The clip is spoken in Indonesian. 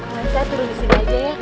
mas ya turun disini aja ya